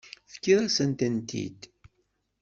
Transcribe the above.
Tefkiḍ-asen-tent-id.